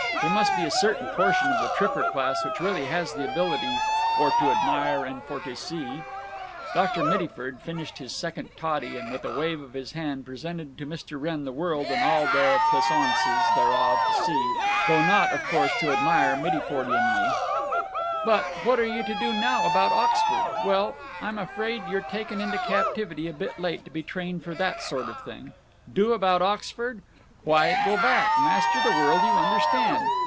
There must be a certain portion of the tripper class which really has the ability 'for to admire and for to see.'" Dr. Mittyford finished his second toddy and with a wave of his hand presented to Mr. Wrenn the world and all the plesaunces thereof, for to see, though not, of course, to admire Mittyfordianly. "But—what are you to do now about Oxford? Well, I'm afraid you're taken into captivity a bit late to be trained for that sort of thing. Do about Oxford? Why, go back, master the world you understand.